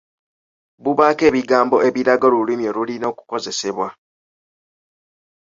Bubaako ebigambo ebiraga Olulimi olulina okukozesebwa.